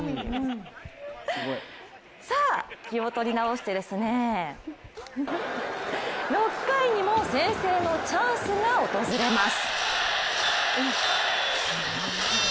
気を取り直してですね、６回にも先制のチャンスが訪れます